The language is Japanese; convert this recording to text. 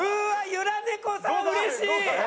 ゆら猫さんうれしい！